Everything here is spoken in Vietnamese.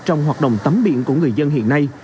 trong hoạt động tắm biển của người dân hiện nay